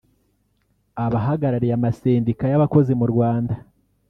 Abahagarariye amasendika y’abakozi mu Rwanda